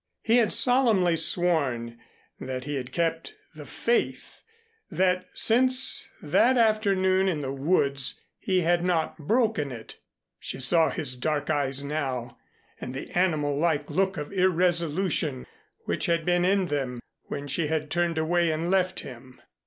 He had solemnly sworn that he had kept the faith that since that afternoon in the woods he had not broken it. She saw his dark eyes now and the animal like look of irresolution which had been in them when she had turned away and left him.